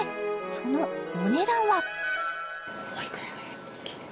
そのお値段は？